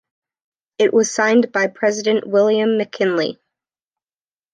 It was signed by President William McKinley.